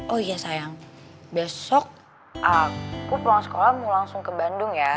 oh iya sayang besok aku pulang sekolah mau langsung ke bandung ya